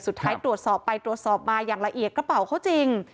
สุดท้ายตรวจสอบไปตรวจสอบมาอย่างละเอียดกระเป๋าเขาจริง